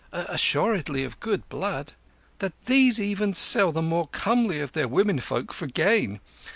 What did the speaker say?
"Assuredly of good blood. That these even sell the more comely of their womenfolk for gain.